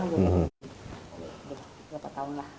sudah berapa tahun lah